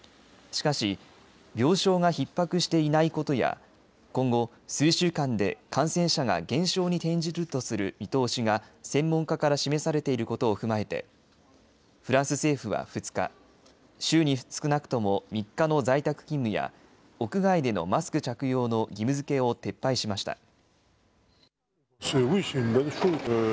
しかし、病床がひっ迫していないことや今後、数週間で感染者が減少に転じるとする見通しが専門家から示されていることを踏まえてフランス政府は２日、週に少なくとも３日の在宅勤務や屋外でのマスク着用の義務づけを撤廃しました。